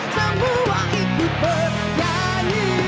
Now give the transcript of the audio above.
semua itu penyanyi